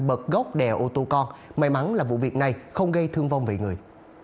bật gốc đè ô tô con may mắn là vụ việc này không gây thương vong về người